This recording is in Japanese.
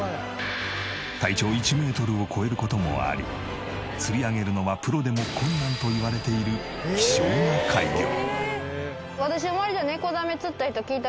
体長１メートルを超える事もあり釣り上げるのはプロでも困難といわれている希少な怪魚。